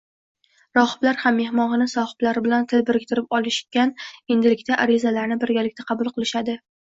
Rohiblar ham mehmonxona sohiblari bilan til biriktirib olishgan endilikda arizalarni birgalikda qabul qilishadi